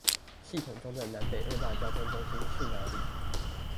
系統中的南北二大交通中心是哪裏？